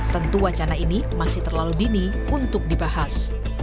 tentu wacana ini masih terlalu dini untuk dibahas